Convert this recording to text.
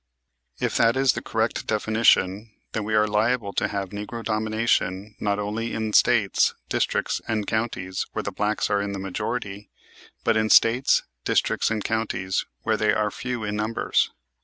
If that is the correct definition then we are liable to have "Negro Domination" not only in States, districts, and counties where the blacks are in the majority, but in States, districts and counties where they are few in numbers.